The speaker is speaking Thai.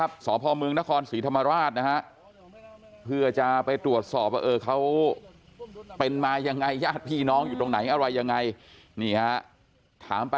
หรือทั้งจำทั้งปรับตู้กล้องไม่กลับนั่นแหละ